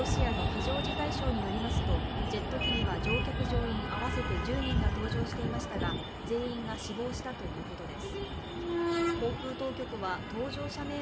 ロシアの非常事態省によりますとジェット機には乗客・乗員合わせて１０人が搭乗していましたが全員が死亡したということです。